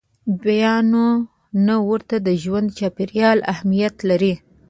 بیا نو نه ورته د ژوند چاپېریال اهمیت لري.